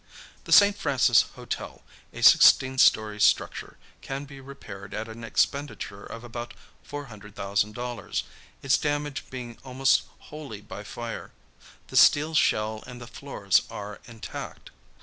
The St. Francis Hotel, a sixteen story structure, can be repaired at an expenditure of about $400,000, its damage being almost wholly by fire. The steel shell and the floors are intact.